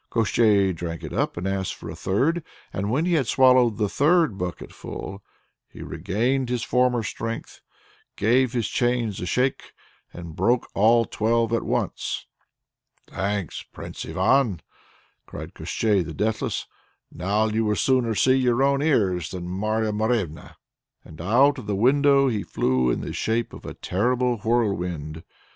Koshchei drank it up and asked for a third, and when he had swallowed the third bucketful, he regained his former strength, gave his chains a shake, and broke all twelve at once. "Thanks, Prince Ivan!" cried Koshchei the deathless, "now you will sooner see your own ears than Marya Morevna!" and out of the window he flew in the shape of a terrible whirlwind.